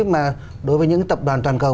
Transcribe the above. mà đối với những tập đoàn toàn cầu